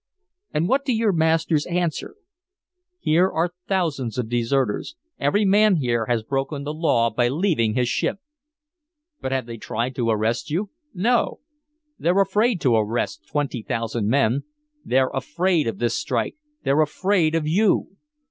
"And what do your masters answer? Here are thousands of deserters every man here has broken the law by leaving his ship! But have they tried to arrest you? No! They're afraid to arrest twenty thousand men, they're afraid of this strike, they're afraid of you!